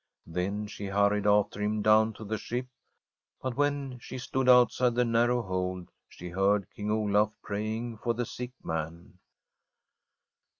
Then she hurried after him down to the ship. But when she stood out side the narrow hold, she heard King Olaf pray ing for the sick man.